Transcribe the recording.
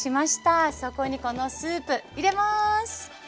そこにこのスープ入れます。